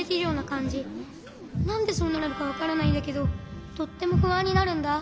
なんでそうなるのかわからないんだけどとってもふあんになるんだ。